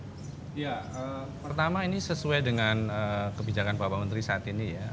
ya pertama ini sesuai dengan kebijakan bapak menteri saat ini ya